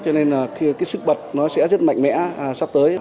cho nên là cái sức bật nó sẽ rất mạnh mẽ sắp tới